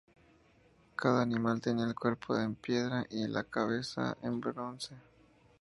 Cada animal tenía el cuerpo en piedra y la cabeza de bronce.